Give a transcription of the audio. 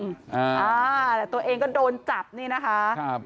แต่ตัวเองก็โดนจับนี่นะคะ